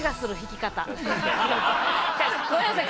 ごめんなさい。